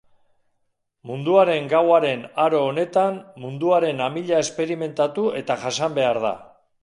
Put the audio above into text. Munduaren gauaren aro honetan munduaren amila esperimentatu eta jasan behar da.